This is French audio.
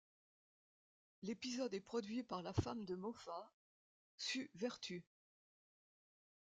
L'épisode est produit par la femme de Moffat, Sue Vertue.